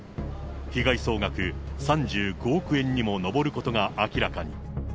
被害総額３５億円にも上ることが明らかに。